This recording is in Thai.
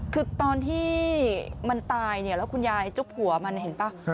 คือตอนที่มันตายแล้วคุณยายจุกหัวมันเห็นไหม